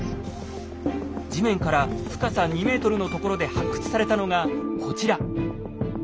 地面から深さ２ｍのところで発掘されたのがこちら。